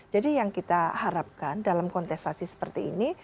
jadi yang kita harapkan dalam kontestasi seperti ini